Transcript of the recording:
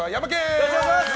よろしくお願いします！